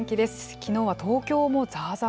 きのうは東京もざーざー